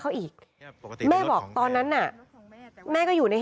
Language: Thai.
คือตอนที่แม่ไปโรงพักที่นั่งอยู่ที่สพ